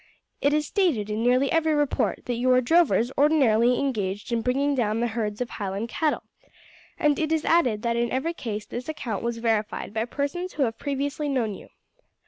It is stated in nearly every report that you are drovers ordinarily engaged in bringing down herds of Highland cattle, and it is added that in every case this account was verified by persons who have previously known you.